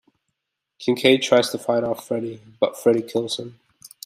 Kincaid tries to fight off Freddy, but Freddy kills him.